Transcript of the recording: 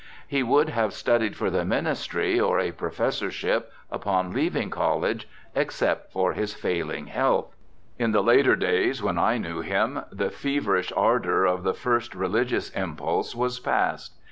He would have studied for the ministry or a professorship, upon leaving college, except for his failing health. In the later days, when I knew him, the feverish ardor of the first religious impulse was past.